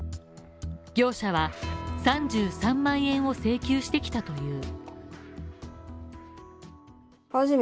業者は３３万円を請求してきたという。